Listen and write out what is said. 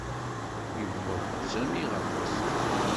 Yewweḍ Sami ɣer Maṣeṛ.